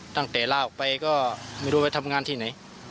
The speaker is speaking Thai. ตั้งแต่ลาออกไปก็ไม่รู้ไปทำงานที่ไหน